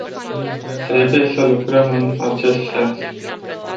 Trebuie să lucrăm în acest sens.